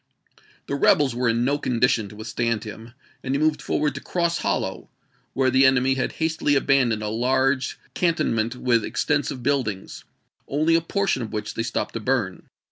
The rebels were in no condition to withstand him, and he moved forward to Cross Hollow, where the enemy had hastily abandoned a large canton ment with extensive buildings, only a portion of which they stopped to burn.